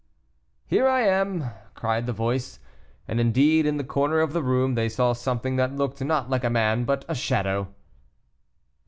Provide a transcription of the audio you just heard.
"Here I am," cried the voice; and indeed, in the corner of the room they saw something that looked not like a man but a shadow.